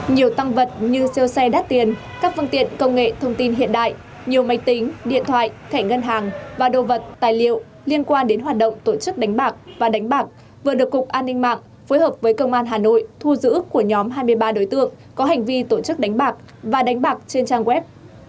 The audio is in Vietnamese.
nhiều tăng vật như siêu xe đắt tiền các phương tiện công nghệ thông tin hiện đại nhiều máy tính điện thoại thẻ ngân hàng và đồ vật tài liệu liên quan đến hoạt động tổ chức đánh bạc và đánh bạc vừa được cục an ninh mạng phối hợp với công an hà nội thu giữ của nhóm hai mươi ba đối tượng có hành vi tổ chức đánh bạc và đánh bạc trên trang web